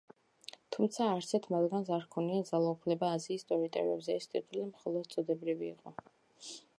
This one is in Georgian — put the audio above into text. თუმცა არცერთ მათგანს არ ჰქონია ძალაუფლება აზიის ტერიტორიებზე, ეს ტიტული მხოლოდ წოდებრივი იყო.